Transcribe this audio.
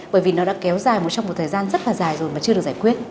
bởi vì nó đã kéo dài một trong một thời gian rất là dài rồi mà chưa được giải quyết